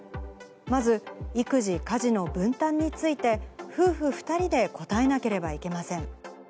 まず、育児・家事の分担について、夫婦２人で答えなければいけません。